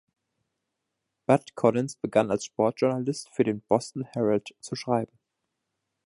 Bud Collins begann als Sportjournalist für den "Boston Herald" zu schreiben.